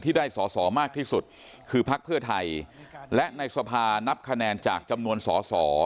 ได้สอสอมากที่สุดคือพักเพื่อไทยและในสภานับคะแนนจากจำนวนสอสอ